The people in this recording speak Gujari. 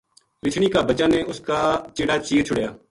رچھنی کا بَچاں نے اس کا چِڑا چیر چھُڑیا